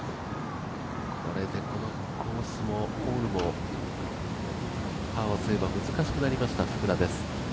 これでこのコースもパーのセーブが難しくなりました福田です。